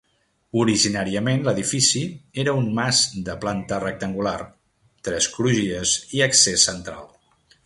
Originàriament l'edifici era un mas de planta rectangular, tres crugies i accés central.